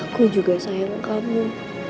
aku juga sayang kamu